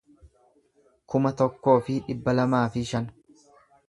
kuma tokkoo fi dhibba lamaa fi shan